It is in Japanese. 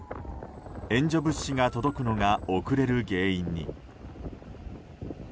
援助物資が届くのが遅れる原因に。